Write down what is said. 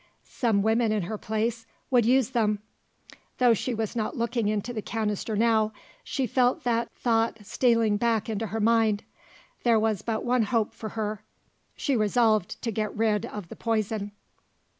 Some women in her place, would use them. Though she was not looking into the canister now, she felt that thought stealing back into her mind. There was but one hope for her: she resolved to get rid of the poison.